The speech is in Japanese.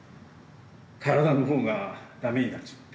体のほうがダメになっちまってな。